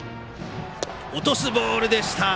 落とすボールでした。